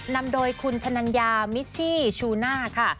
นำโดยคุณชะนัญญามิชชี่ชูน่าค่ะ